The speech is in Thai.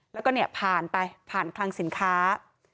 แล้วก็เนี่ยผ่านไปผ่านคลังสินค้า